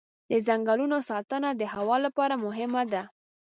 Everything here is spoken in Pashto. د ځنګلونو ساتنه د هوا لپاره مهمه ده.